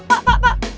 pak pak pak